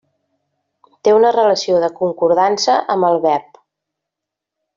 Té una relació de concordança amb el verb.